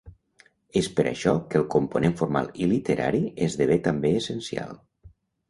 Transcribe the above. És per això que el component formal i literari esdevé també essencial.